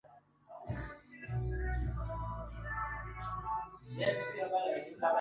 na kuwakamata watu kutoka makwao